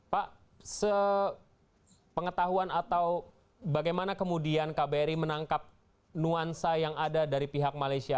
pak sepengetahuan atau bagaimana kemudian kbri menangkap nuansa yang ada dari pihak malaysia